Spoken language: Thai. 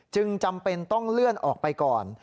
จำเป็นต้องเลื่อนออกไปก่อน